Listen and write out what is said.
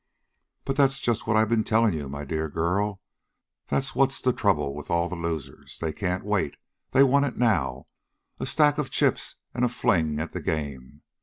"But that is just what I've been telling you, my dear girl. That's what's the trouble with all the losers. They can't wait. They want it now a stack of chips and a fling at the game.